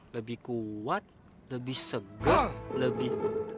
lebih kuat lebih segar lebih